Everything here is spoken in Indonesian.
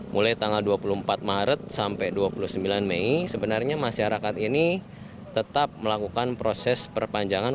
mulai tanggal dua puluh empat maret sampai dua puluh sembilan mei sebenarnya masyarakat ini tetap melakukan proses perpanjangan